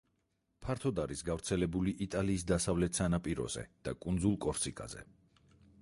ფართოდ არის გავრცელებული იტალიის დასავლეთ სანაპიროზე და კუნძულ კორსიკაზე.